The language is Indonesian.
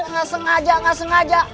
nggak sengaja nggak sengaja